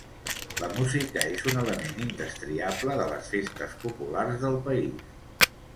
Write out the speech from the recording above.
La música és un element indestriable de les festes populars del país.